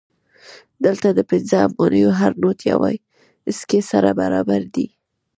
دلته د پنځه افغانیو هر نوټ یوې سکې سره برابر دی